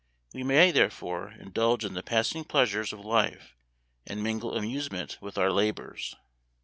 We may, therefore, indulge in the passing pleasures of life, and mingle amusement with our labors."